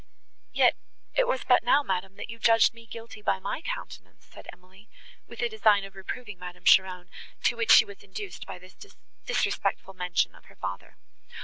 "Yet it was but now, madam, that you judged me guilty by my countenance," said Emily, with a design of reproving Madame Cheron, to which she was induced by this disrespectful mention of her father.